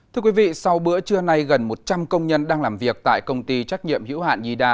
thưa quý vị sau bữa trưa nay gần một trăm linh công nhân đang làm việc tại công ty trách nhiệm hữu hạn nhì đa